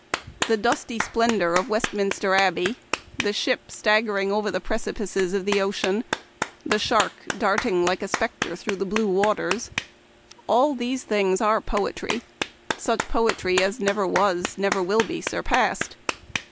The ' dusty splendor ' of Westminster Abbey — the ship ' staggering ' over the precipices of the ocean — the shark I darting like a specter through the blue waters ;' all these things are poetry — such poetry as never was, never will be surpassed.